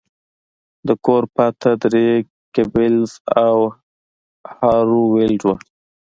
د کور پته درې ګیبلز او هارو ویلډ وه